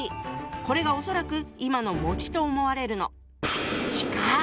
これが恐らく今の「」と思われるの。